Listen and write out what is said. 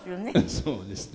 そうですね。